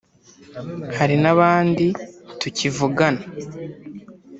hari n’abandi tukivugana